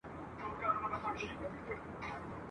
په ښاخلو کي یې جوړ کړي وه کورونه ..